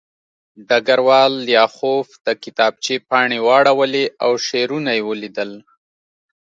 ډګروال لیاخوف د کتابچې پاڼې واړولې او شعرونه یې ولیدل